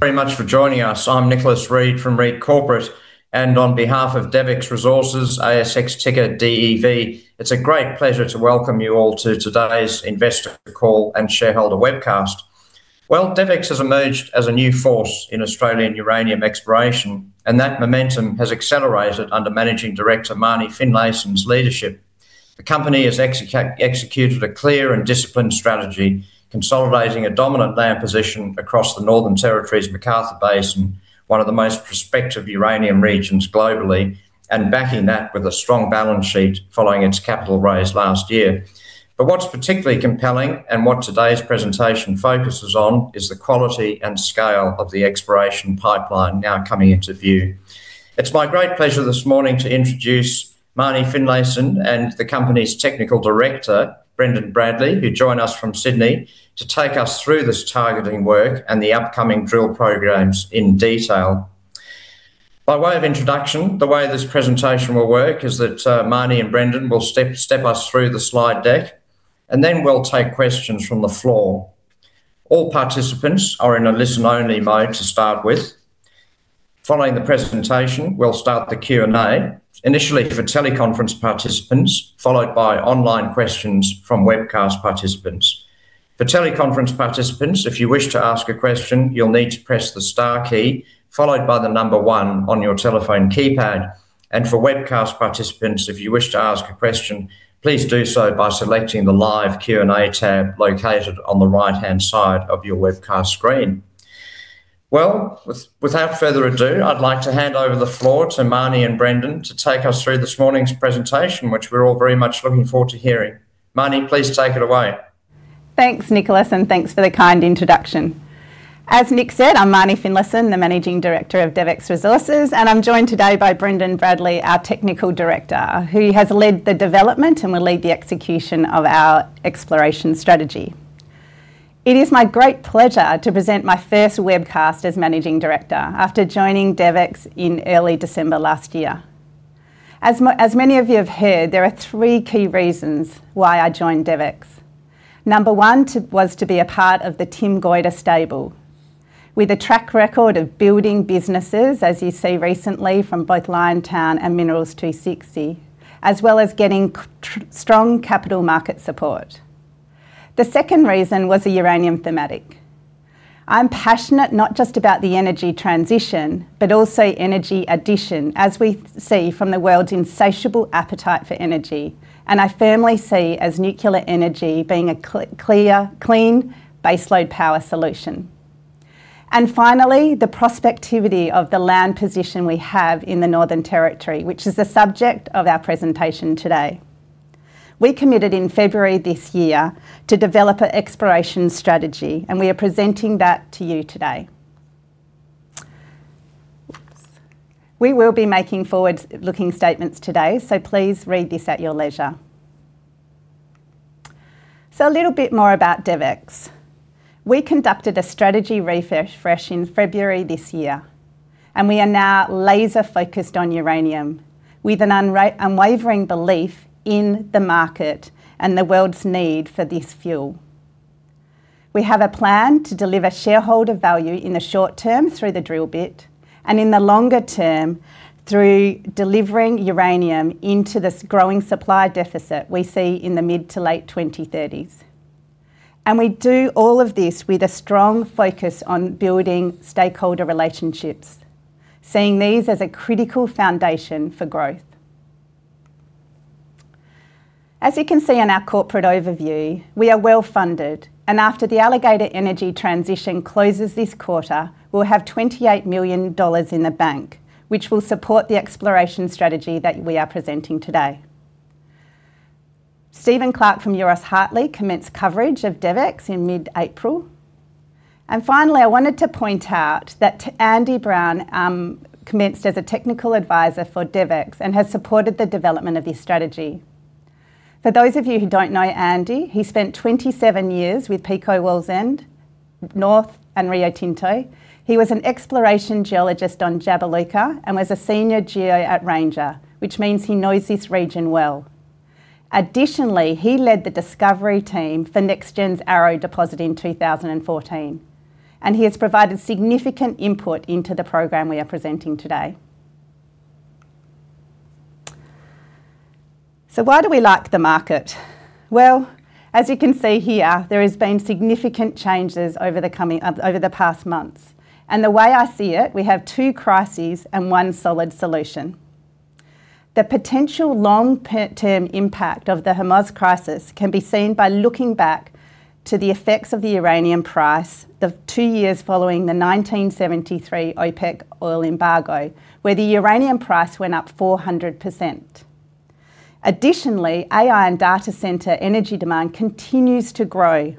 Very much for joining us. I'm Nicholas Read from Read Corporate, and on behalf of DevEx Resources, ASX ticker DEV, it's a great pleasure to welcome you all to today's investor call and shareholder webcast. Well, DevEx has emerged as a new force in Australian uranium exploration, and that momentum has accelerated under Managing Director Marnie Finlayson's leadership. The company has executed a clear and disciplined strategy, consolidating a dominant land position across the Northern Territory's McArthur Basin, one of the most prospective uranium regions globally, and backing that with a strong balance sheet following its capital raise last year. What's particularly compelling, and what today's presentation focuses on, is the quality and scale of the exploration pipeline now coming into view. It's my great pleasure this morning to introduce Marnie Finlayson and the company's Technical Director, Brendan Bradley, who join us from Sydney to take us through this targeting work and the upcoming drill programs in detail. By way of introduction, the way this presentation will work is that Marnie and Brendan will step us through the slide deck, and then we'll take questions from the floor. All participants are in a listen-only mode to start with. Following the presentation, we'll start the Q&A, initially for teleconference participants, followed by online questions from webcast participants. For teleconference participants, if you wish to ask a question, you'll need to press the star key followed by the number one on your telephone keypad. For webcast participants, if you wish to ask a question, please do so by selecting the Live Q&A tab located on the right-hand side of your webcast screen. Well, without further ado, I'd like to hand over the floor to Marnie and Brendan to take us through this morning's presentation, which we're all very much looking forward to hearing. Marnie, please take it away. Thanks, Nicholas, and thanks for the kind introduction. As Nick said, I'm Marnie Finlayson, the Managing Director of DevEx Resources, and I'm joined today by Brendan Bradley, our Technical Director, who has led the development and will lead the execution of our exploration strategy. It is my great pleasure to present my first webcast as Managing Director after joining DevEx in early December last year. As many of you have heard, there are three key reasons why I joined DevEx. Number one was to be a part of the Tim Goyder stable. With a track record of building businesses, as you see recently from both Liontown and Minerals 260, as well as getting strong capital market support. The second reason was the uranium thematic. I'm passionate not just about the energy transition, but also energy addition, as we see from the world's insatiable appetite for energy, I firmly see as nuclear energy being a clear, clean, base load power solution. Finally, the prospectivity of the land position we have in the Northern Territory, which is the subject of our presentation today. We committed in February this year to develop an exploration strategy, and we are presenting that to you today. We will be making forward-looking statements today, please read this at your leisure. A little bit more about DevEx. We conducted a strategy refresh in February this year, and we are now laser-focused on uranium with an unwavering belief in the market and the world's need for this fuel. We have a plan to deliver shareholder value in the short-term through the drill bit, and in the longer-term through delivering uranium into this growing supply deficit we see in the mid to late 2030s. And we do all of this with a strong focus on building stakeholder relationships, seeing these as a critical foundation for growth. As you can see in our corporate overview, we are well-funded, and after the Alligator Energy transition closes this quarter, we'll have 28 million dollars in the bank, which will support the exploration strategy that we are presenting today. Steven Clark from Euroz Hartleys commenced coverage of DevEx in mid-April. Finally, I wanted to point out that Andy Brown commenced as a Technical Advisor for DevEx and has supported the development of this strategy. For those of you who don't know Andy, he spent 27 years with Pico World's End, North, and Rio Tinto. He was an exploration geologist on Jabiluka and was a Senior Geo at Ranger, which means he knows this region well. Additionally, he led the discovery team for NexGen's Arrow Deposit in 2014, and he has provided significant input into the program we are presenting today. Why do we like the market? Well, as you can see here, there has been significant changes over the past months. The way I see it, we have two crises and one solid solution. The potential long-term impact of the Hamas crisis can be seen by looking back to the effects of the uranium price the two years following the 1973 OPEC oil embargo, where the uranium price went up 400%. AI and data center energy demand continues to grow,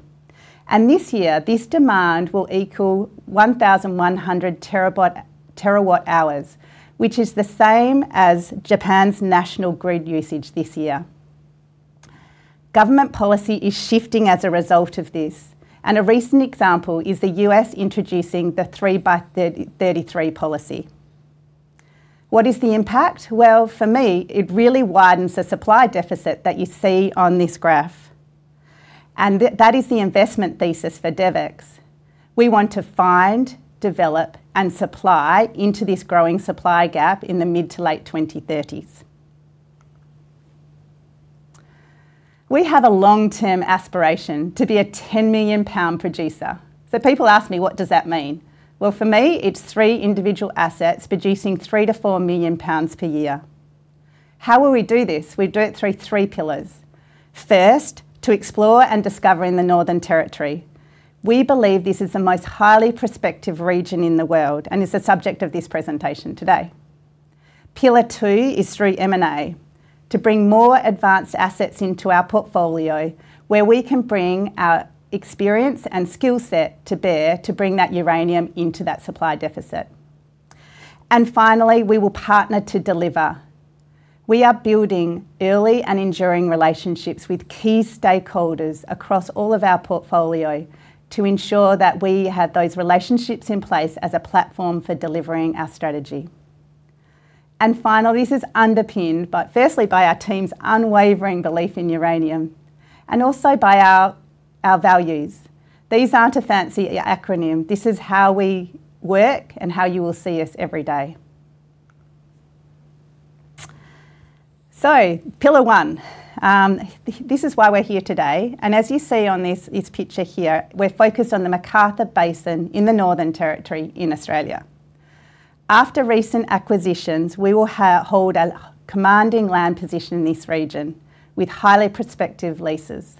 and this year, this demand will equal 1,100 TWh, which is the same as Japan's national grid usage this year. Government policy is shifting as a result of this, a recent example is the U.S. introducing the 30x30 policy. What is the impact? Well, for me, it really widens the supply deficit that you see on this graph. That is the investment thesis for DevEx. We want to find, develop, and supply into this growing supply gap in the mid to late 2030s. We have a long-term aspiration to be a 10-million-pound producer. People ask me, what does that mean? Well, for me, it's three individual assets producing 3 million-4 million pounds per year. How will we do this? We do it through three pillars. First, to explore and discover in the Northern Territory. We believe this is the most highly prospective region in the world, and is the subject of this presentation today. Pillar two is through M&A, to bring more advanced assets into our portfolio where we can bring our experience and skill set to bear to bring that uranium into that supply deficit. Finally, we will partner to deliver. We are building early and enduring relationships with key stakeholders across all of our portfolio to ensure that we have those relationships in place as a platform for delivering our strategy. Final, this is underpinned by, firstly by our team's unwavering belief in uranium and also by our values. These aren't a fancy acronym. This is how we work and how you will see us every day. Pillar one, this is why we're here today, and as you see on this picture here, we're focused on the McArthur Basin in the Northern Territory in Australia. After recent acquisitions, we will hold a commanding land position in this region with highly prospective leases.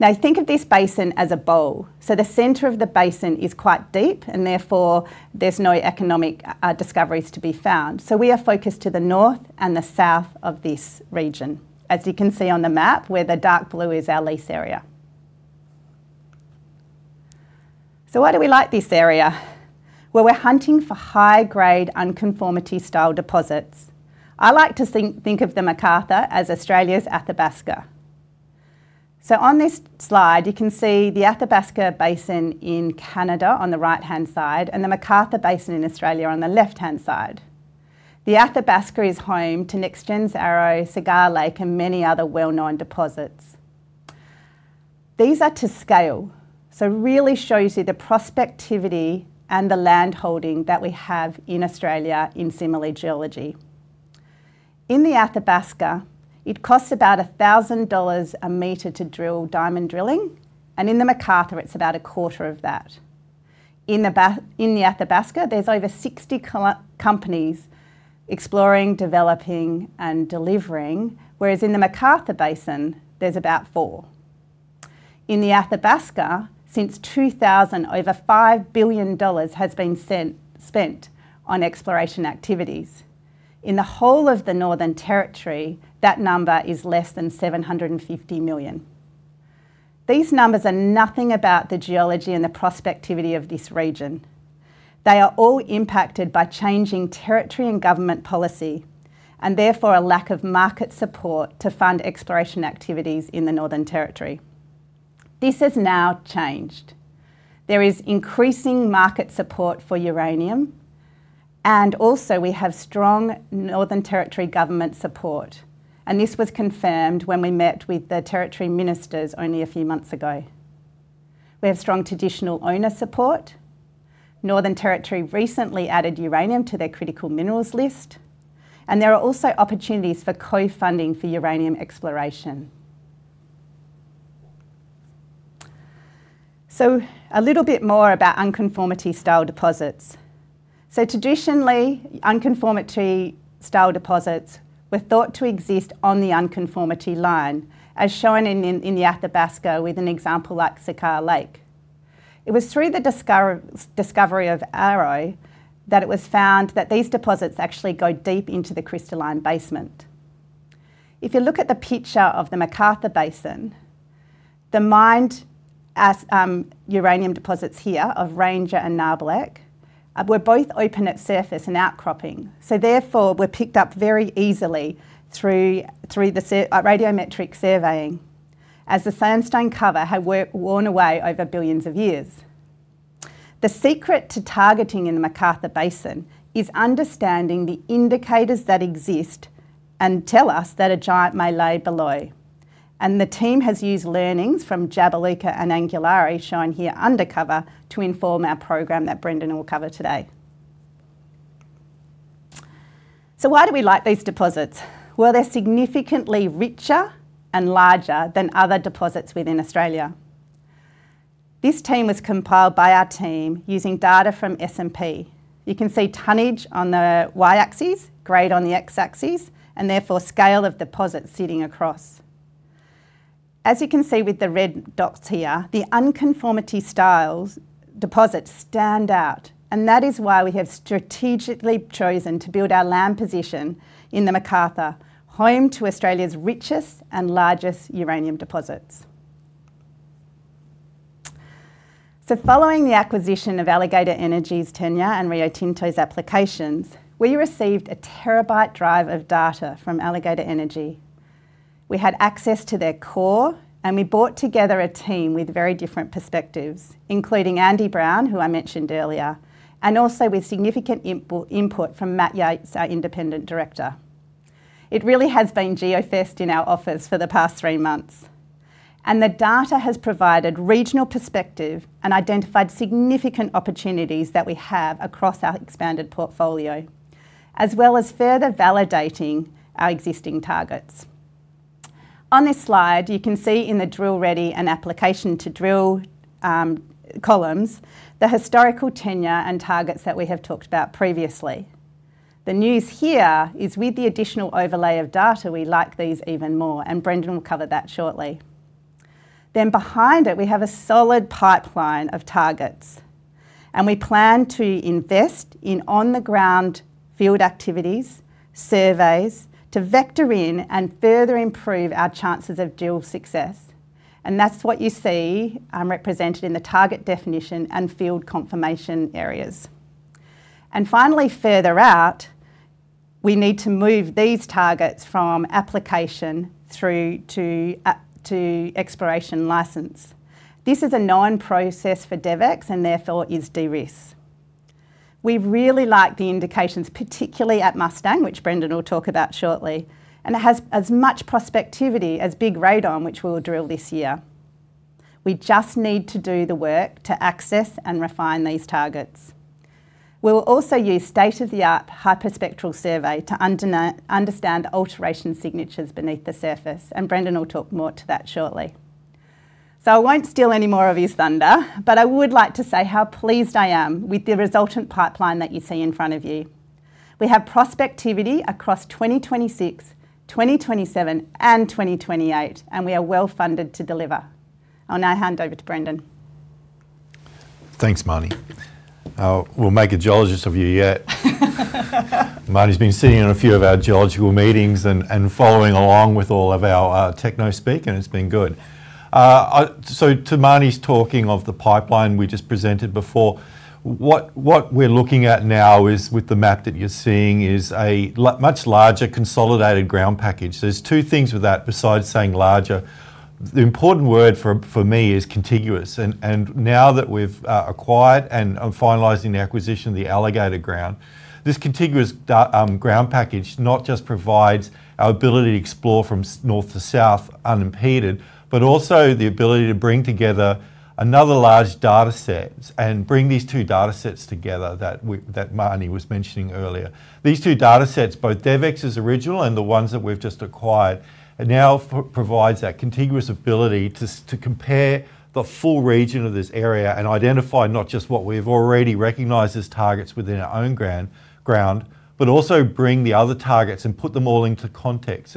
Think of this basin as a bowl. The center of the basin is quite deep, and therefore there's no economic discoveries to be found. We are focused to the north and the south of this region, as you can see on the map where the dark blue is our lease area. Why do we like this area? Well, we're hunting for high-grade unconformity-style deposits. I like to think of the McArthur as Australia's Athabasca. On this slide, you can see the Athabasca Basin in Canada on the right-hand side and the McArthur Basin in Australia on the left-hand side. The Athabasca is home to NexGen's Arrow, Cigar Lake, and many other well-known deposits. These are to scale, really shows you the prospectivity and the landholding that we have in Australia in similar geology. In the Athabasca, it costs about 1,000 dollars a meter to drill diamond drilling, and in the McArthur it's about a quarter of that. In the Athabasca, there's over 60 companies exploring, developing, and delivering, whereas in the McArthur Basin, there's about four. In the Athabasca, since 2000, over 5 billion dollars has been spent on exploration activities. In the whole of the Northern Territory, that number is less than 750 million. These numbers are nothing about the geology and the prospectivity of this region. They are all impacted by changing territory and government policy, and therefore a lack of market support to fund exploration activities in the Northern Territory. This has now changed. There is increasing market support for uranium, and also we have strong Northern Territory government support, and this was confirmed when we met with the territory ministers only a few months ago. We have strong traditional owner support. Northern Territory recently added uranium to their critical minerals list, and there are also opportunities for co-funding for uranium exploration. A little bit more about unconformity-style deposits. Traditionally, unconformity-style deposits were thought to exist on the unconformity line, as shown in the Athabasca with an example like Cigar Lake. It was through the discovery of Arrow that it was found that these deposits actually go deep into the crystalline basement. If you look at the picture of the McArthur Basin, the mined as uranium deposits here of Ranger and Nabarlek were both open at surface and outcropping. Therefore, were picked up very easily through the radiometric surveying as the sandstone cover had worn away over billions of years. The secret to targeting in the McArthur Basin is understanding the indicators that exist and tell us that a giant may lay below. The team has used learnings from Jabiluka and Angularli, shown here undercover, to inform our program that Brendan will cover today. Why do we like these deposits? Well, they're significantly richer and larger than other deposits within Australia. This table was compiled by our team using data from S&P. You can see tonnage on the y-axis, grade on the x-axis, and therefore scale of deposit sitting across. As you can see with the red dots here, the unconformity-style deposits stand out, and that is why we have strategically chosen to build our land position in the McArthur, home to Australia's richest and largest uranium deposits. Following the acquisition of Alligator Energy's tenure and Rio Tinto's applications, we received a 1 TB drive of data from Alligator Energy. We had access to their core, and we brought together a team with very different perspectives, including Andy Brown, who I mentioned earlier, and also with significant input from Matt Yates, our Independent Director. It really has been geo-fest in our office for the past three months. The data has provided regional perspective and identified significant opportunities that we have across our expanded portfolio, as well as further validating our existing targets. On this slide, you can see in the drill ready and application to drill columns, the historical tenure and targets that we have talked about previously. The news here is with the additional overlay of data, we like these even more. Brendan will cover that shortly. Behind it, we have a solid pipeline of targets. We plan to invest in on-the-ground field activities, surveys to vector in and further improve our chances of drill success. That's what you see represented in the target definition and field confirmation areas. Finally, further out, we need to move these targets from application through to exploration license. This is a known process for DevEx and therefore is de-risk. We really like the indications, particularly at Mustang, which Brendan will talk about shortly, and it has as much prospectivity as Big Radon, which we'll drill this year. We just need to do the work to access and refine these targets. We'll also use state-of-the-art hyperspectral survey to understand alteration signatures beneath the surface, and Brendan will talk more to that shortly. I won't steal any more of his thunder, but I would like to say how pleased I am with the resultant pipeline that you see in front of you. We have prospectivity across 2026, 2027, and 2028, and we are well funded to deliver. I'll now hand over to Brendan. Thanks, Marnie. We'll make a geologist of you yet. Marnie's been sitting in a few of our geological meetings and following along with all of our techno speak, and it's been good. To Marnie's talking of the pipeline we just presented before, what we're looking at now is, with the map that you're seeing, is a much larger consolidated ground package. There's two things with that besides saying larger. The important word for me is contiguous, and now that we've acquired and are finalizing the acquisition of the Alligator ground, this contiguous ground package not just provides our ability to explore from north to south unimpeded, but also the ability to bring together another large dataset and bring these two datasets together that we, that Marnie was mentioning earlier. These two datasets, both DevEx's original and the ones that we've just acquired, it now provides that contiguous ability to compare the full region of this area and identify not just what we've already recognized as targets within our own ground, but also bring the other targets and put them all into context.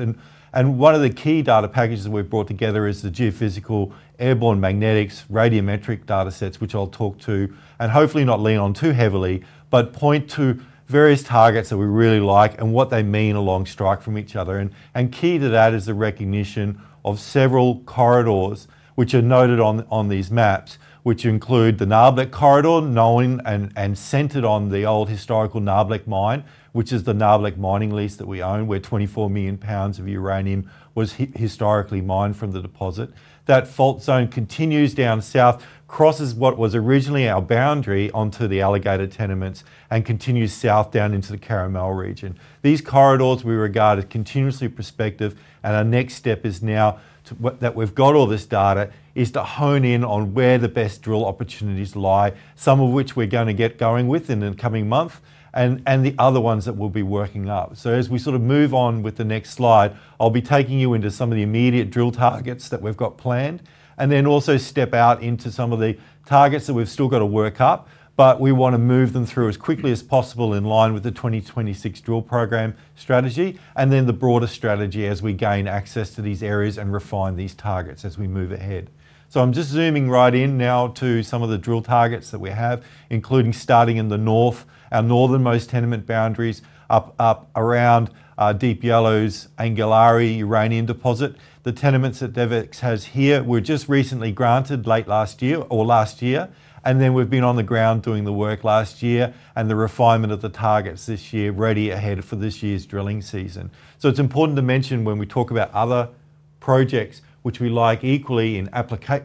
One of the key data packages that we've brought together is the geophysical airborne magnetics radiometric datasets, which I'll talk to, and hopefully not lean on too heavily, but point to various targets that we really like and what they mean along strike from each other. Key to that is the recognition of several corridors which are noted on these maps, which include the Nabarlek corridor, known and centered on the old historical Nabarlek mine, which is the Nabarlek mining lease that we own, where 24 million pounds of uranium was historically mined from the deposit. That fault zone continues down south, crosses what was originally our boundary onto the Alligator tenements, and continues south down into the Caramel region. These corridors we regard as continuously prospective. Our next step is now that we've got all this data, is to hone in on where the best drill opportunities lie, some of which we're gonna get going with in the coming month, and the other ones that we'll be working up. As we sort of move on with the next slide, I'll be taking you into some of the immediate drill targets that we've got planned, and then also step out into some of the targets that we've still got to work up. We wanna move them through as quickly as possible in line with the 2026 drill program strategy, and then the broader strategy as we gain access to these areas and refine these targets as we move ahead. I'm just zooming right in now to some of the drill targets that we have, including starting in the north, our northern-most tenement boundaries up around Deep Yellow's Angularli uranium deposit. The tenements that DevEx has here were just recently granted late last year, or last year, and then we've been on the ground doing the work last year and the refinement of the targets this year, ready ahead for this year's drilling season. It's important to mention when we talk about other projects which we like equally in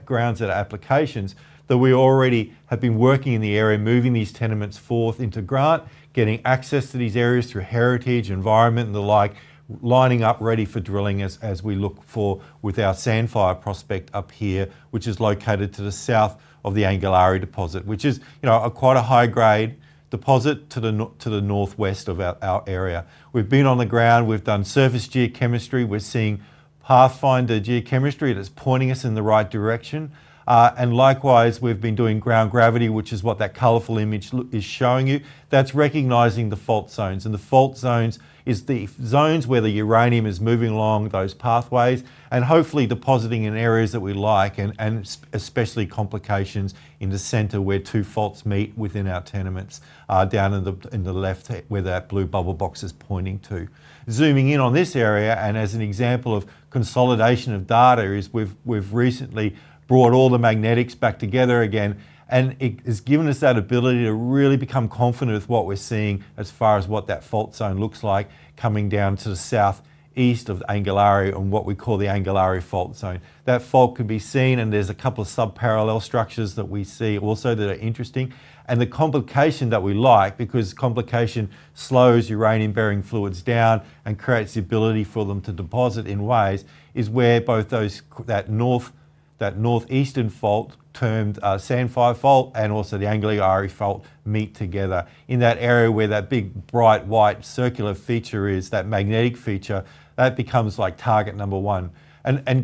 grounds and applications, that we already have been working in the area, moving these tenements forth into grant, getting access to these areas through heritage, environment, and the like, lining up ready for drilling as we look for with our Sandfire prospect up here, which is located to the south of the Angularli deposit, which is, you know, a quite a high-grade deposit to the northwest of our area. We've been on the ground. We've done surface geochemistry. We're seeing pathfinder geochemistry that's pointing us in the right direction. Likewise, we've been doing ground gravity, which is what that colorful image is showing you. That's recognizing the fault zones, and the fault zones is the zones where the uranium is moving along those pathways and hopefully depositing in areas that we like and, especially complications in the center where two faults meet within our tenements, down in the, in the left where that blue bubble box is pointing to. Zooming in on this area, as an example of consolidation of data is we've recently brought all the magnetics back together again, it's given us that ability to really become confident with what we're seeing as far as what that fault zone looks like coming down to the southeast of Angularli on what we call the Angularli fault zone. That fault can be seen, there's a couple subparallel structures that we see also that are interesting, the complication that we like, because complication slows uranium-bearing fluids down and creates the ability for them to deposit in ways, is where both those that northeastern fault termed Sandfire fault and also the Angularli fault meet together in that area where that big, bright white circular feature is, that magnetic feature, that becomes like target number one.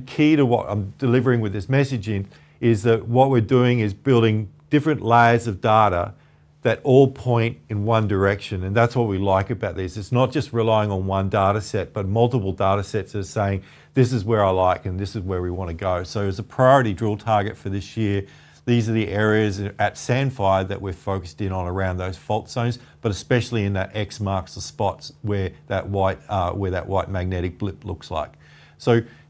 Key to what I'm delivering with this messaging is that what we're doing is building different layers of data that all point in one direction, and that's what we like about this. It's not just relying on one data set, but multiple data sets are saying, "This is where I like, and this is where we wanna go." As a priority drill target for this year, these are the areas at Sandfire that we're focused in on around those fault zones, but especially in that X marks the spots where that white, where that white magnetic blip looks like.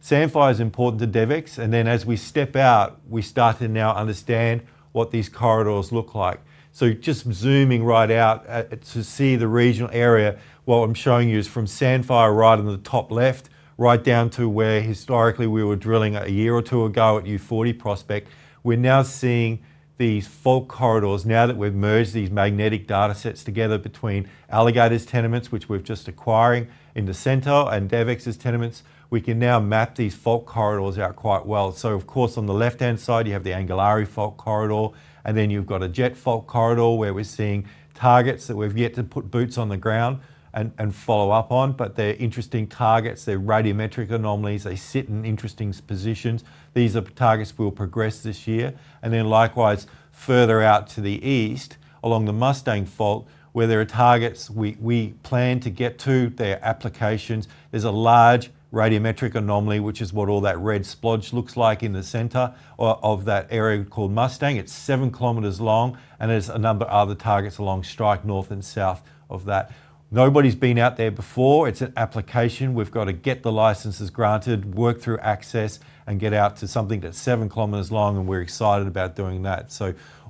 Sandfire's important to DevEx, and then as we step out, we start to now understand what these corridors look like. Just zooming right out, to see the regional area, what I'm showing you is from Sandfire right on the top left, right down to where historically we were drilling a year or two ago at U40 prospect. We're now seeing these fault corridors now that we've merged these magnetic data sets together between Alligator's tenements, which we're just acquiring in the center, and DevEx's tenements. We can now map these fault corridors out quite well. Of course, on the left-hand side, you have the Angularli fault zone, and then you've got a Jet fault corridor, where we're seeing targets that we've yet to put boots on the ground and follow-up on. They're interesting targets. They're radiometric anomalies. They sit in interesting positions. These are targets we'll progress this year. Likewise, further out to the east along the Mustang fault, where there are targets we plan to get to, there are applications. There's a large radiometric anomaly, which is what all that red splodge looks like in the center of that area called Mustang. It's seven km long, and there's a number of other targets along strike north and south of that. Nobody's been out there before. It's an application. We've gotta get the licenses granted, work through access, and get out to something that's seven km long, and we're excited about doing that.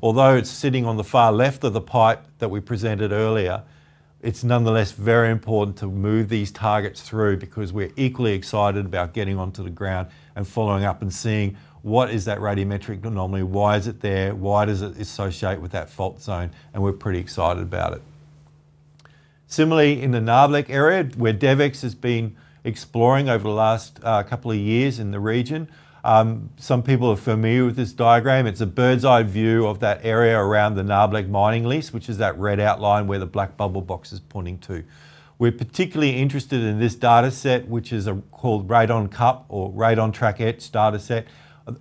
Although it's sitting on the far left of the pipe that we presented earlier, it's nonetheless very important to move these targets through because we're equally excited about getting onto the ground and following up and seeing what is that radiometric anomaly, why is it there, why does it associate with that fault zone, and we're pretty excited about it. Similarly, in the Nabarlek area, where DevEx has been exploring over the last couple years in the region, some people are familiar with this diagram. It's a bird's eye view of that area around the Nabarlek mining lease, which is that red outline where the black bubble box is pointing to. We're particularly interested in this data set, which is called Radon Cup or Radon Track Etch data set.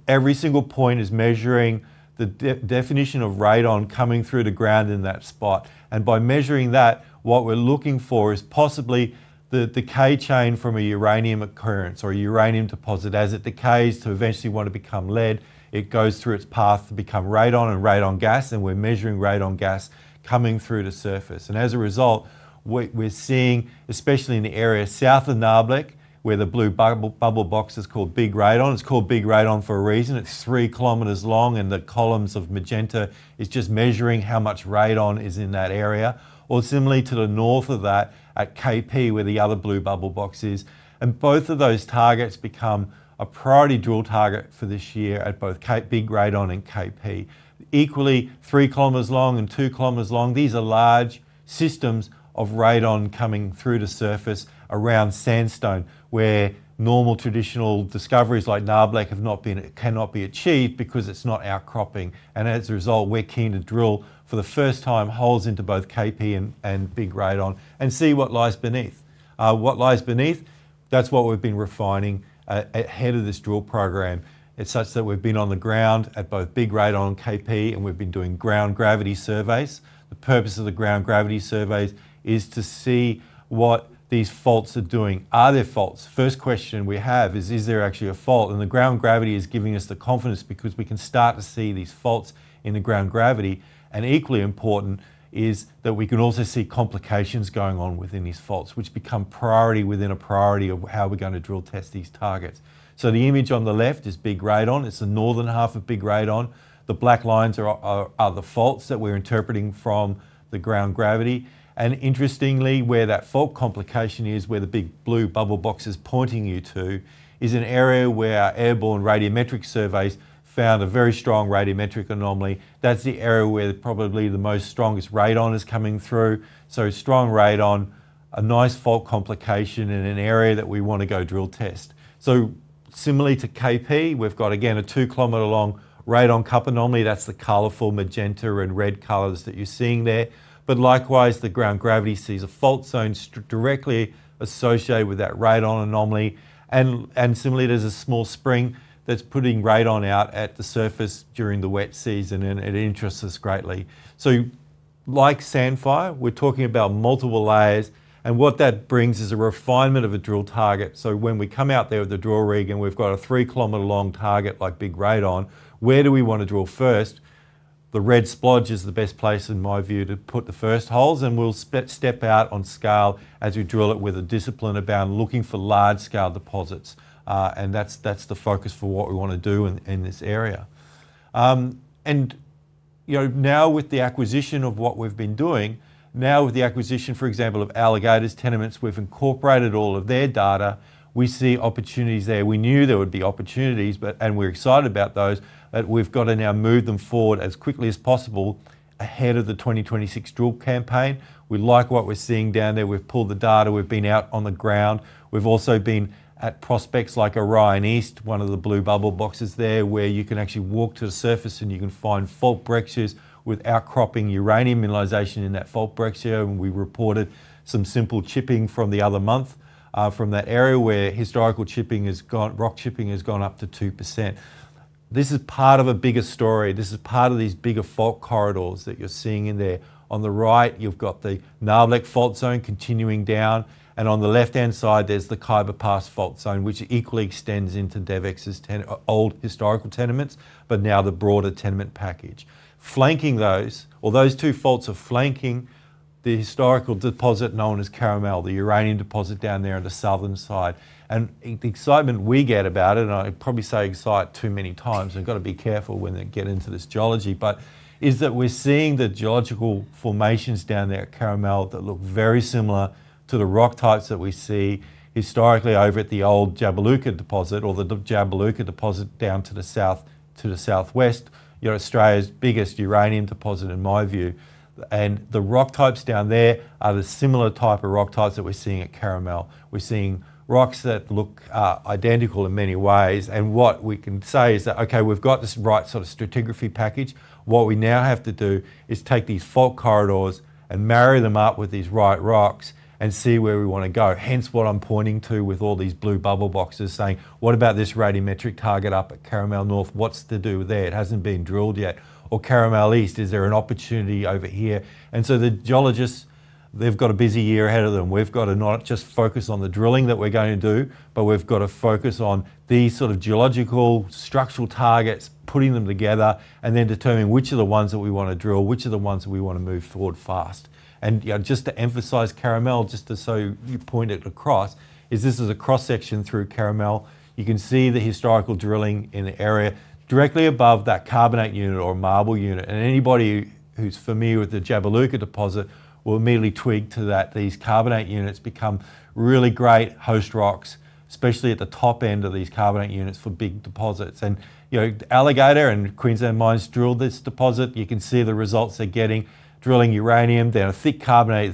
Every single point is measuring the diffusion of radon coming through the ground in that spot. By measuring that, what we're looking for is possibly the decay chain from a uranium occurrence or a uranium deposit. As it decays to eventually wanna become lead, it goes through its path to become radon and radon gas. We're measuring radon gas coming through the surface. As a result, what we're seeing, especially in the area south of Nabarlek, where the blue bubble box is called Big Radon. It's called Big Radon for a reason. It's three km long. The columns of magenta is just measuring how much radon is in that area, or similarly to the north of that at KP, where the other blue bubble box is. Both of those targets become a priority drill target for this year at both Big Radon and KP. Equally three km long and two km long, these are large systems of radon coming through the surface around sandstone, where normal traditional discoveries like Nabarlek cannot be achieved because it's not outcropping. As a result, we're keen to drill for the first time holes into both KP and Big Radon and see what lies beneath. What lies beneath, that's what we've been refining ahead of this drill program. It's such that we've been on the ground at both Big Radon and KP, and we've been doing ground gravity surveys. The purpose of the ground gravity surveys is to see what these faults are doing. Are there faults? First question we have is there actually a fault? The ground gravity is giving us the confidence because we can start to see these faults in the ground gravity. Equally important is that we can also see complications going on within these faults, which become priority within a priority of how we're going to drill test these targets. The image on the left is Big Radon. It's the northern half of Big Radon. The black lines are the faults that we're interpreting from the ground gravity. Interestingly, where that fault complication is, where the big blue bubble box is pointing you to, is an area where our airborne radiometric surveys found a very strong radiometric anomaly. That's the area where probably the most strongest radon is coming through. Strong radon, a nice fault complication in an area that we want to go drill test. Similarly to KP, we've got again a two km long Radon Cup anomaly. That's the colorful magenta and red colors that you're seeing there. Likewise, the ground gravity sees a fault zone directly associated with that Radon anomaly. Similarly, there's a small spring that's putting Radon out at the surface during the wet season, and it interests us greatly. Like Sandfire, we're talking about multiple layers, and what that brings is a refinement of a drill target. When we come out there with a drill rig and we've got a three km long target like Big Radon, where do we wanna drill first? The red splodge is the best place, in my view, to put the first holes, and we'll step out on scale as we drill it with a discipline about looking for large-scale deposits. That's the focus for what we wanna do in this area. You know, now with the acquisition of what we've been doing, now with the acquisition, for example, of Alligator Energy's tenements, we've incorporated all of their data. We see opportunities there. We knew there would be opportunities, we're excited about those, but we've got to now move them forward as quickly as possible ahead of the 2026 drill campaign. We like what we're seeing down there. We've pulled the data. We've been out on the ground. We've also been at prospects like Orion East, one of the blue bubble boxes there, where you can actually walk to the surface and you can find fault breccias with outcropping uranium mineralization in that fault breccia. We reported some simple chipping from the other month, from that area where historical chipping rock chipping has gone up to 2%. This is part of a bigger story. This is part of these bigger fault corridors that you're seeing in there. On the right, you've got the Nabarlek fault zone continuing down, and on the left-hand side, there's the Khyber Pass fault zone, which equally extends into DevEx's old historical tenements, but now the broader tenement package. Flanking those two faults are flanking the historical deposit known as Caramel, the uranium deposit down there on the southern side. The excitement we get about it, I'll probably say excite too many times, I've got to be careful when I get into this geology, but is that we're seeing the geological formations down there at Caramel that look very similar to the rock types that we see historically over at the old Jabiluka deposit or the Jabiluka deposit down to the south, to the southwest. You know, Australia's biggest uranium deposit in my view. The rock types down there are the similar type of rock types that we're seeing at Caramel. We're seeing rocks that look identical in many ways, and what we can say is that, okay, we've got this right sort of stratigraphy package. What we now have to do is take these fault corridors and marry them up with these right rocks and see where we wanna go. Hence what I'm pointing to with all these blue bubble boxes saying, "What about this radiometric target up at Caramel North? What's to do there? It hasn't been drilled yet." Caramel East, is there an opportunity over here? The geologists, they've got a busy year ahead of them. We've got to not just focus on the drilling that we're going to do, but we've got to focus on the sort of geological structural targets, putting them together, and then determining which are the ones that we wanna drill, which are the ones we wanna move forward fast. You know, just to emphasize Caramel, just so you point it across, is this is a cross-section through Caramel. You can see the historical drilling in the area directly above that carbonate unit or marble unit. Anybody who's familiar with the Jabiluka deposit will immediately twig to that. These carbonate units become really great host rocks, especially at the top end of these carbonate units for big deposits. You know, Alligator and Queensland Mines drilled this deposit. You can see the results they're getting drilling uranium. They're a thick carbonate,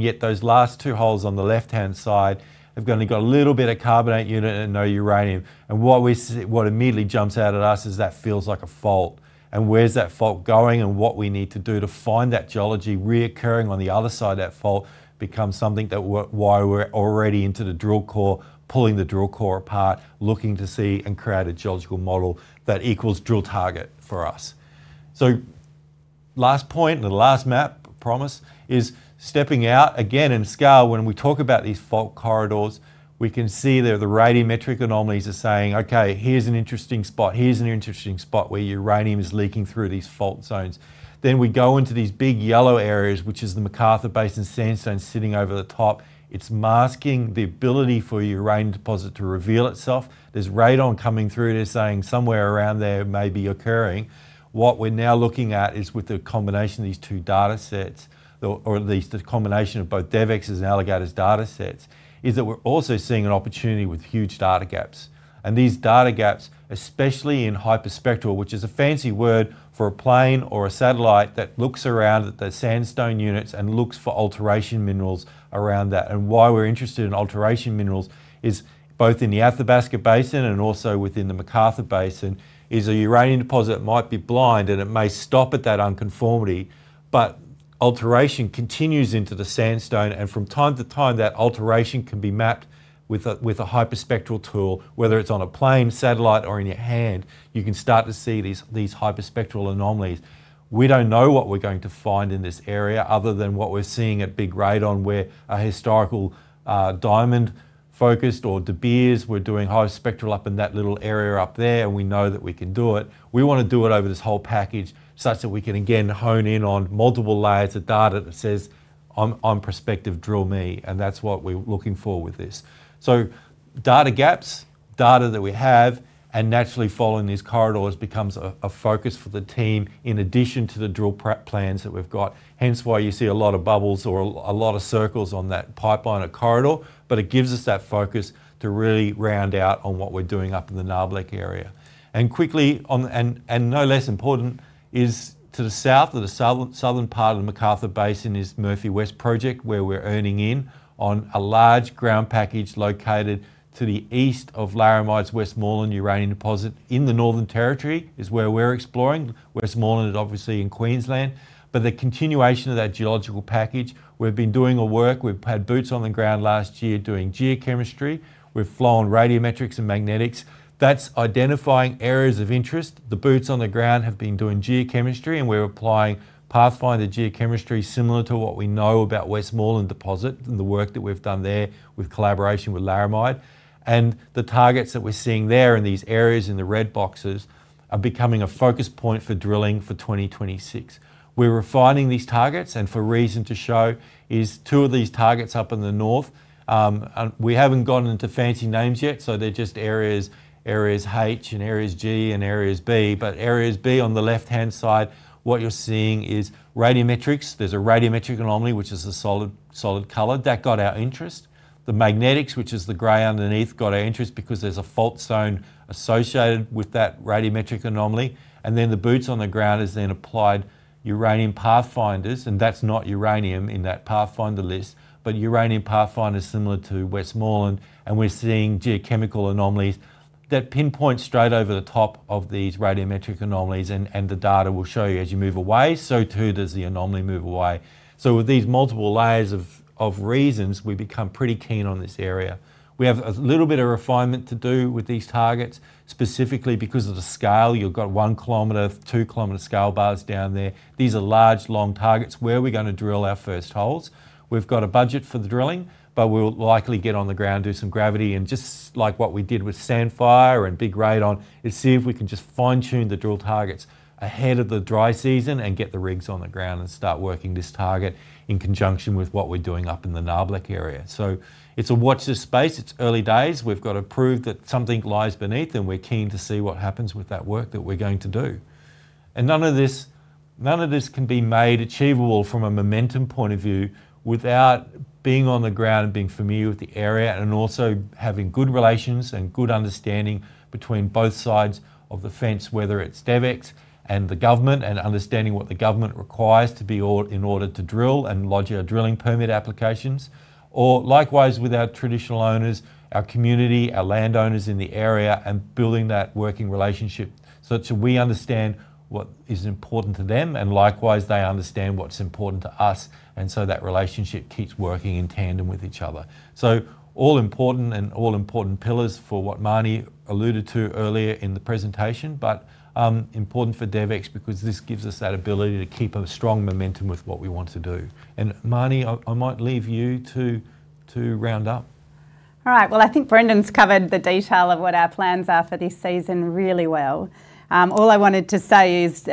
yet those last two holes on the left-hand side have only got a little bit of carbonate unit and no uranium. What immediately jumps out at us is that feels like a fault. Where's that fault going, what we need to do to find that geology reoccurring on the other side of that fault becomes something that while we're already into the drill core, pulling the drill core apart, looking to see and create a geological model that equals drill target for us. Last point and the last map, promise, is stepping out. Again, in scale, when we talk about these fault corridors, we can see there the radiometric anomalies are saying, "Okay, here's an interesting spot. Here's an interesting spot where uranium is leaking through these fault zones. We go into these big yellow areas, which is the McArthur Basin sandstone sitting over the top. It's masking the ability for uranium deposit to reveal itself. There's radon coming through there saying somewhere around there it may be occurring. What we're now looking at is with the combination of these two datasets, or at least the combination of both DevEx's and Alligator's datasets, is that we're also seeing an opportunity with huge data gaps. These data gaps, especially in hyperspectral, which is a fancy word for a plane or a satellite that looks around at the sandstone units and looks for alteration minerals around that. Why we're interested in alteration minerals is both in the Athabasca Basin and also within the McArthur Basin, is a uranium deposit might be blind, and it may stop at that unconformity, but alteration continues into the sandstone. From time to time, that alteration can be mapped with a hyperspectral tool, whether it's on a plane, satellite, or in your hand. You can start to see these hyperspectral anomalies. We don't know what we're going to find in this area other than what we're seeing at Big Radon, where a historical, diamond-focused or De Beers were doing hyperspectral up in that little area up there, and we know that we can do it. We wanna do it over this whole package such that we can again hone in on multiple layers of data that says, "I'm prospective, drill me." That's what we're looking for with this. Data gaps, data that we have, and naturally following these corridors becomes a focus for the team in addition to the drill prep plans that we've got. Hence why you see a lot of bubbles or a lot of circles on that pipeline or corridor, but it gives us that focus to really round out on what we're doing up in the Nabarlek area. No less important is to the south of the southern part of the McArthur Basin is Murphy West project, where we're earning in on a large ground package located to the east of Laramide's Westmoreland uranium deposit in the Northern Territory is where we're exploring. Westmoreland is obviously in Queensland, but the continuation of that geological package, we've been doing a work. We've had boots on the ground last year doing geochemistry. We've flown radiometrics and magnetics. That's identifying areas of interest. The boots on the ground have been doing geochemistry, and we're applying pathfinder geochemistry similar to what we know about Westmoreland deposit and the work that we've done there with collaboration with Laramide. The targets that we're seeing there in these areas in the red boxes are becoming a focus point for drilling for 2026. We're refining these targets and for reason to show is two of these targets up in the north. We haven't gotten into fancy names yet, they're just areas H and areas G and areas B. Areas B on the left-hand side, what you're seeing is radiometrics. There's a radiometric anomaly, which is the solid color. That got our interest. The magnetics, which is the gray underneath, got our interest because there's a fault zone associated with that radiometric anomaly. The boots on the ground has then applied uranium pathfinders, that's not uranium in that pathfinder list, but uranium pathfinders similar to Westmoreland. We're seeing geochemical anomalies that pinpoint straight over the top of these radiometric anomalies, and the data will show you as you move away, so too does the anomaly move away. With these multiple layers of reasons, we become pretty keen on this area. We have a little bit of refinement to do with these targets, specifically because of the scale. You've got 1 km, 2 km scale bars down there. These are large, long targets where we're gonna drill our first holes. We've got a budget for the drilling, but we'll likely get on the ground, do some gravity, and just like what we did with Sandfire and Big Radon, is see if we can just fine-tune the drill targets ahead of the dry season and get the rigs on the ground and start working this target in conjunction with what we're doing up in the Nabarlek area. It's a watch this space. It's early days. We've got to prove that something lies beneath, and we're keen to see what happens with that work that we're going to do. None of this can be made achievable from a momentum point of view without being on the ground and being familiar with the area and also having good relations and good understanding between both sides of the fence, whether it's DevEx and the government, and understanding what the government requires to be in order to drill and lodge our drilling permit applications, or likewise with our traditional owners, our community, our landowners in the area, and building that working relationship so that we understand what is important to them, and likewise, they understand what's important to us, and so that relationship keeps working in tandem with each other. All important and all important pillars for what Marnie alluded to earlier in the presentation, but important for DevEx because this gives us that ability to keep a strong momentum with what we want to do. Marnie, I might leave you to round up. All right. Well, I think Brendan's covered the detail of what our plans are for this season really well. All I wanted to say is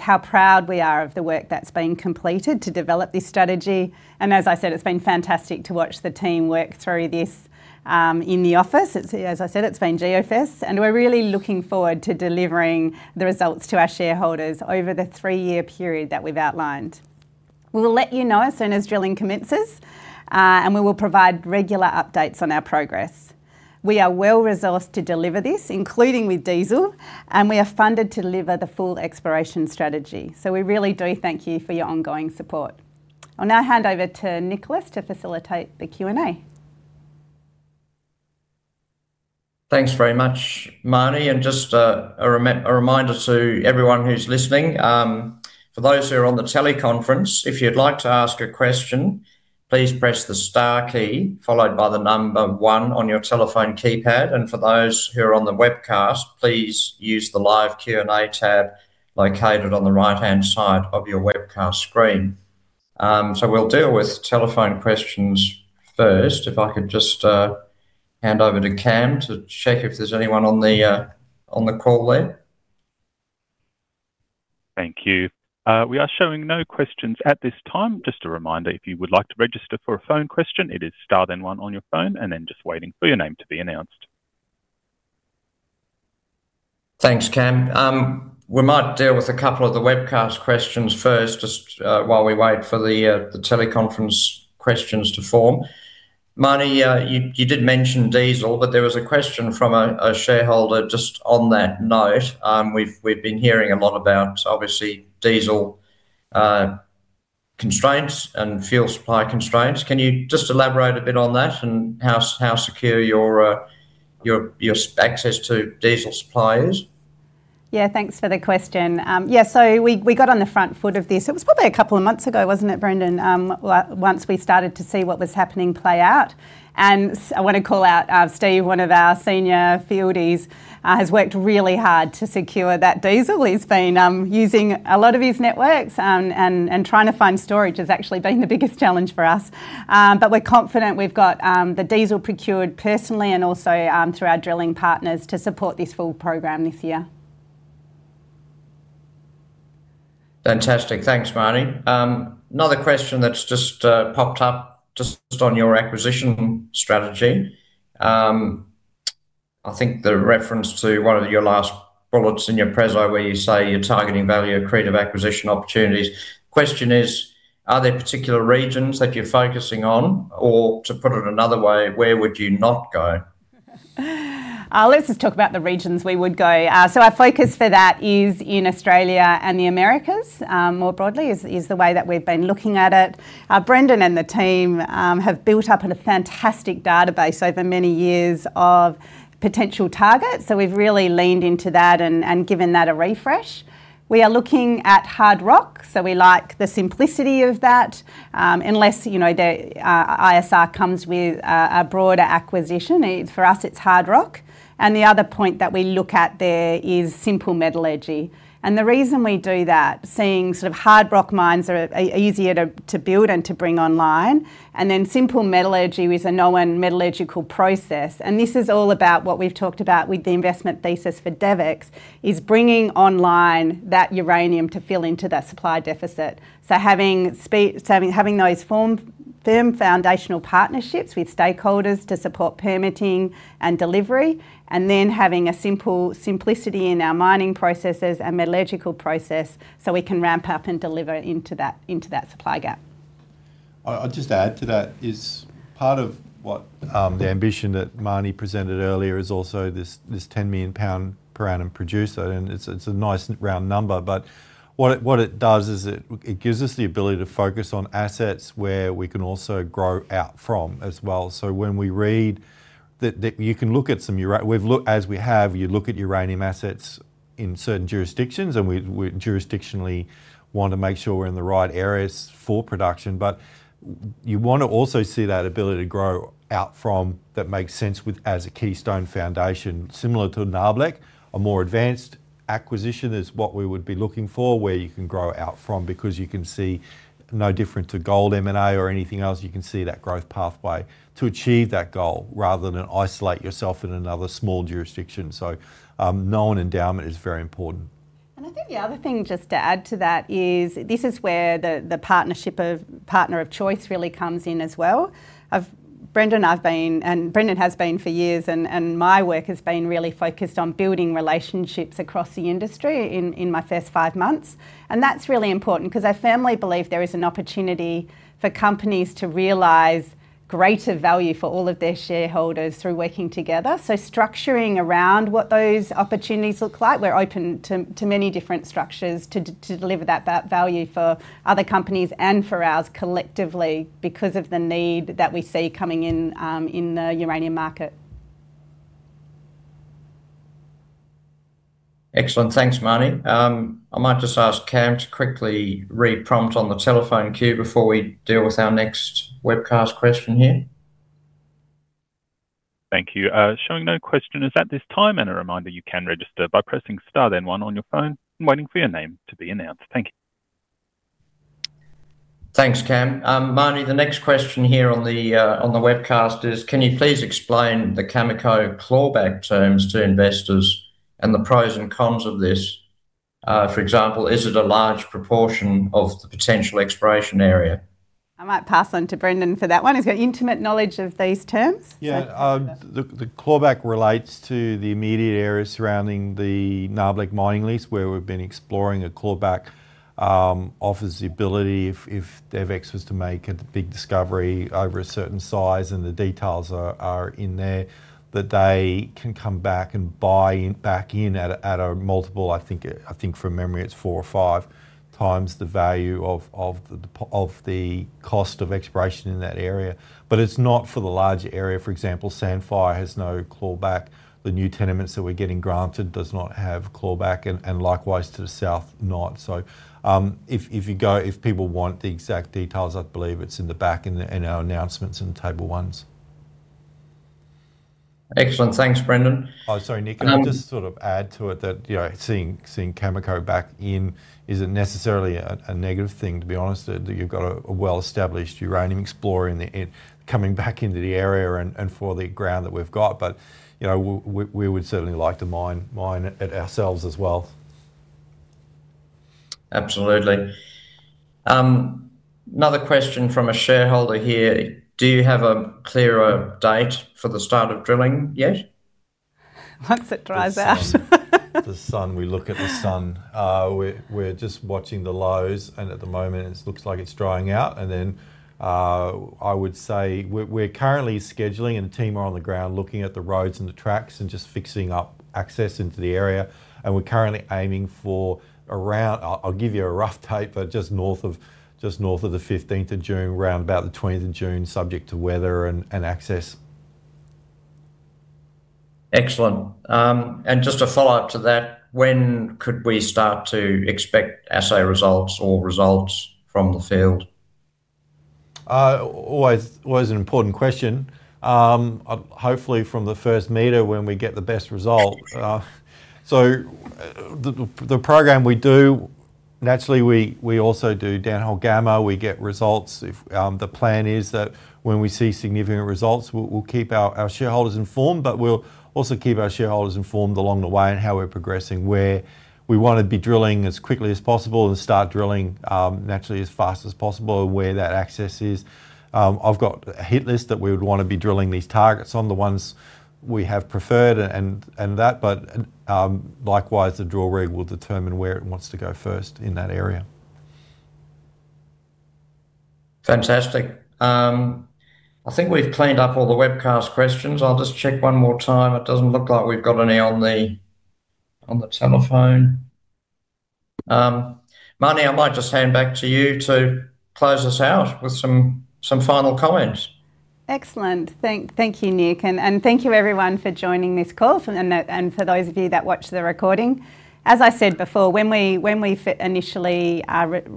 how proud we are of the work that's been completed to develop this strategy. As I said, it's been fantastic to watch the team work through this in the office. It's, as I said, it's been geofence, we're really looking forward to delivering the results to our shareholders over the three-year period that we've outlined. We will let you know as soon as drilling commences, we will provide regular updates on our progress. We are well-resourced to deliver this, including with diesel, we are funded to deliver the full exploration strategy. We really do thank you for your ongoing support. I'll now hand over to Nicholas to facilitate the Q&A. Thanks very much, Marnie. Just a reminder to everyone who's listening, for those who are on the teleconference, if you'd like to ask a question, please press the star key followed by one on your telephone keypad. For those who are on the webcast, please use the live Q&A tab located on the right-hand side of your webcast screen. We'll deal with telephone questions first. If I could just hand over to Cam to check if there's anyone on the call there. Thank you. We are showing no questions at this time. Just a reminder, if you would like to register for a phone question, it is star then one on your phone, and then just waiting for your name to be announced. Thanks, Cam. We might deal with a couple of the webcast questions first, just while we wait for the teleconference questions to form. Marnie, you did mention diesel. There was a question from a shareholder just on that note. We've been hearing a lot about, obviously, diesel constraints and fuel supply constraints. Can you just elaborate a bit on that and how secure your access to diesel supply is? Yeah, thanks for the question. Yeah, we got on the front foot of this. It was probably a couple of months ago, wasn't it, Brendan? Once we started to see what was happening play out. I wanna call out, Steve, one of our senior fieldies, has worked really hard to secure that diesel. He's been using a lot of his networks, and trying to find storage has actually been the biggest challenge for us. We're confident we've got the diesel procured personally and also through our drilling partners to support this full program this year. Fantastic. Thanks, Marnie. Another question that's just popped up just on your acquisition strategy. I think the reference to one of your last bullets in your preso where you say you're targeting value accretive acquisition opportunities. Question is, are there particular regions that you're focusing on? To put it another way, where would you not go? Let's just talk about the regions we would go. Our focus for that is in Australia and the Americas, more broadly is the way that we've been looking at it. Brendan and the team have built up a fantastic database over many years of potential targets, so we've really leaned into that and given that a refresh. We are looking at hard rock, so we like the simplicity of that. Unless, you know, the ISR comes with a broader acquisition. For us, it's hard rock. The other point that we look at there is simple metallurgy. The reason we do that, seeing sort of hard rock mines are easier to build and to bring online, then simple metallurgy is a known metallurgical process. This is all about what we've talked about with the investment thesis for DevEx, is bringing online that uranium to fill into that supply deficit. Having those formed, firm foundational partnerships with stakeholders to support permitting and delivery, having a simple simplicity in our mining processes and metallurgical process so we can ramp-up and deliver into that supply gap. I'll just add to that, is part of what the ambition that Marnie presented earlier is also this AUD 10 million per annum producer, and it's a nice round number. What it does is it gives us the ability to focus on assets where we can also grow out from as well. When we read that, you can look at some uranium assets in certain jurisdictions, and we jurisdictionally want to make sure we're in the right areas for production. You wanna also see that ability to grow out from that makes sense with as a keystone foundation. Similar to Nabarlek, a more advanced acquisition is what we would be looking for, where you can grow out from. You can see, no different to gold M&A or anything else, you can see that growth pathway to achieve that goal rather than isolate yourself in another small jurisdiction. Known endowment is very important. I think the other thing, just to add to that, is this is where the partnership of partner of choice really comes in as well. Brendan has been for years, and my work has been really focused on building relationships across the industry in my first five months. That's really important, 'cause I firmly believe there is an opportunity for companies to realize greater value for all of their shareholders through working together. Structuring around what those opportunities look like, we're open to many different structures to deliver that value for other companies and for ours collectively because of the need that we see coming in in the uranium market. Excellent. Thanks, Marnie. I might just ask Cam to quickly re-prompt on the telephone queue before we deal with our next webcast question here Thank you. Showing no questioners at this time, a reminder you can register by pressing star then one on your phone and waiting for your name to be announced. Thank you. Thanks, Cam. Marnie, the next question here on the webcast is, "Can you please explain the Cameco clawback terms to investors and the pros and cons of this? For example, is it a large proportion of the potential exploration area? I might pass on to Brendan for that one. He's got intimate knowledge of these terms. Yeah. The clawback relates to the immediate areas surrounding the Nabarlek mining lease where we've been exploring. A clawback offers the ability if DevEx was to make a big discovery over a certain size, and the details are in there, that they can come back and buy back in at a, at a multiple. I think from memory it's 4x or 5x the value of the cost of exploration in that area. It's not for the larger area. For example, Sandfire has no clawback. The new tenements that we're getting granted does not have clawback and likewise to the south, not. If you go, if people want the exact details, I believe it's in the back in the, in our announcements in table ones. Excellent. Thanks, Brendan. Oh, sorry, Nick. Can I just sort of add to it that, you know, seeing Cameco back in isn't necessarily a negative thing. To be honest, you've got a well-established uranium explorer in coming back into the area and for the ground that we've got. You know, we would certainly like to mine it ourselves as well. Absolutely. Another question from a shareholder here: "Do you have a clearer date for the start of drilling yet? Once it dries out. The sun. We look at the sun. We're, we're just watching the lows, and at the moment it looks like it's drying out. Then, I would say we're currently scheduling, the team are on the ground looking at the roads and the tracks and just fixing up access into the area. We're currently aiming for around, I'll give you a rough time, but just north of, just north of the 15th of June, around about the 20th of June, subject to weather and access. Excellent. Just a follow-up to that, when could we start to expect assay results or results from the field? Always an important question. Hopefully from the first meter when we get the best result. The program we do, naturally we also do downhole gamma. We get results. The plan is that when we see significant results, we'll keep our shareholders informed, but we'll also keep our shareholders informed along the way on how we're progressing. Where we wanna be drilling as quickly as possible and start drilling, naturally as fast as possible where that access is. I've got a hit list that we would wanna be drilling these targets on, the ones we have preferred and that, likewise, the drill rig will determine where it wants to go first in that area. Fantastic. I think we've cleaned up all the webcast questions. I'll just check one more time. It doesn't look like we've got any on the, on the telephone. Marnie, I might just hand back to you to close us out with some final comments. Excellent. Thank you, Nick. Thank you everyone for joining this call and for those of you that watch the recording. As I said before, when we initially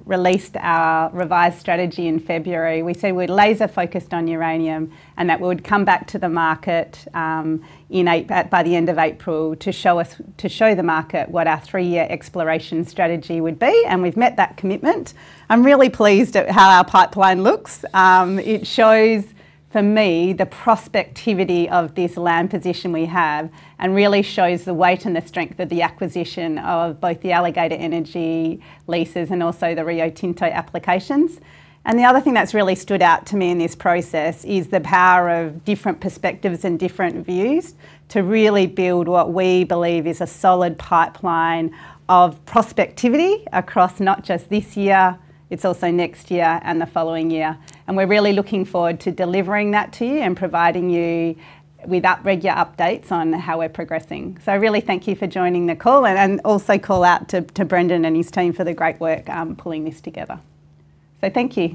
released our revised strategy in February, we said we're laser focused on uranium and that we would come back to the market by the end of April to show us, to show the market what our three-year exploration strategy would be. We've met that commitment. I'm really pleased at how our pipeline looks. It shows, for me, the prospectivity of this land position we have and really shows the weight and the strength of the acquisition of both the Alligator Energy leases and also the Rio Tinto applications. The other thing that's really stood out to me in this process is the power of different perspectives and different views to really build what we believe is a solid pipeline of prospectivity across not just this year, it's also next year and the following year. We're really looking forward to delivering that to you and providing you with regular updates on how we're progressing. I really thank you for joining the call, and also call out to Brendan and his team for the great work pulling this together. Thank you.